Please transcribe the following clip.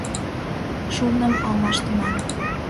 ШУРНЫМ АЛМАШТЫМАН